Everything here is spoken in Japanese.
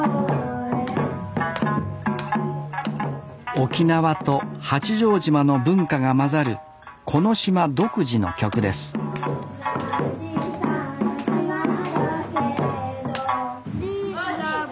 沖縄と八丈島の文化が混ざるこの島独自の曲ですンラバ。